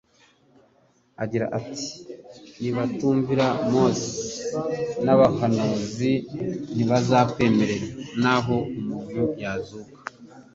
agira ati: "Nibatumvira Mose n'abahanuzi, ntibakwemera naho umuntu yazuka.